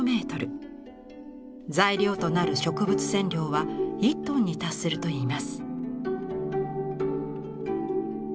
材料となる植物染料は１ｔに達するといいます。